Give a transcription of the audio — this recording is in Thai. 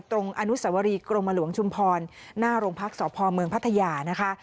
อนุสวรีกรมหลวงชุมพรหน้าโรงพักษพเมืองพัทยานะคะ